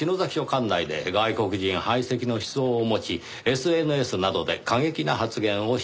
管内で外国人排斥の思想を持ちＳＮＳなどで過激な発言をしている。